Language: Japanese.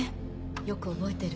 よく覚えてる。